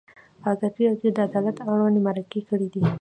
ازادي راډیو د عدالت اړوند مرکې کړي.